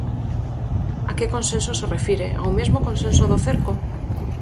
¿A que consenso se refire?, ¿ao mesmo consenso do cerco?